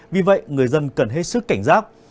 vì vậy người dân cần hết sức cảnh giác